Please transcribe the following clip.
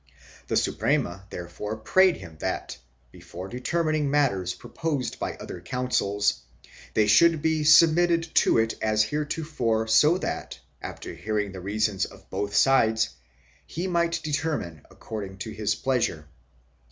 The Suprema therefore prayed him that, before determining matters proposed by other councils, they should be submitted to it as heretofore so that, after hearing the reasons of both sides, he might determine according to his pleasure.